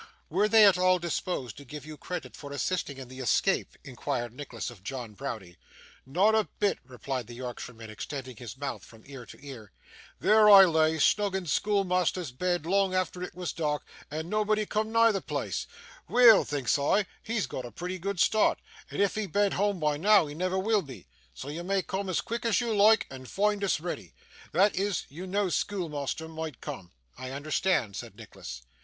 'Were they at all disposed to give you credit for assisting in the escape?' inquired Nicholas of John Browdie. 'Not a bit,' replied the Yorkshireman, extending his mouth from ear to ear. 'There I lay, snoog in schoolmeasther's bed long efther it was dark, and nobody coom nigh the pleace. "Weel!" thinks I, "he's got a pretty good start, and if he bean't whoam by noo, he never will be; so you may coom as quick as you loike, and foind us reddy" that is, you know, schoolmeasther might coom.' 'I understand,' said Nicholas.